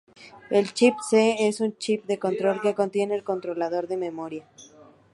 El chip-C es un chip de control que contiene el controlador de memoria.